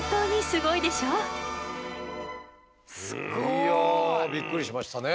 いやびっくりしましたね。